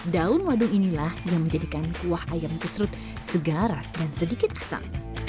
daun wadung inilah yang menjadikan kuah ayam kesrut segarak dan sedikit asam